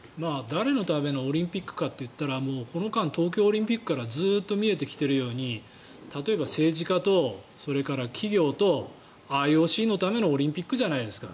誰のためのオリンピックかといえばこの間、東京オリンピックからずっと見えてきているように例えば政治家とそれから企業とＩＯＣのためのオリンピックじゃないですか。